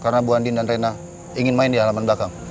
karena bu andin dan rena ingin main di halaman belakang